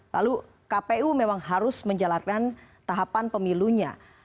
lalu kpu memang harus menjalankan tahapan pemilunya